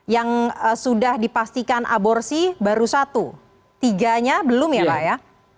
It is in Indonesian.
yang sudah dipastikan aborsi baru satu tiganya belum ya pak ya